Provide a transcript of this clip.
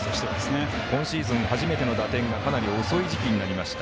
今シーズン初めての打点がかなり遅い時期になりました。